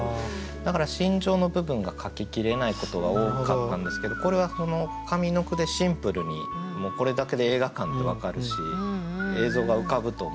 だから心情の部分が書ききれないことが多かったんですけどこれは上の句でシンプルにこれだけで映画館って分かるし映像が浮かぶと思うんです。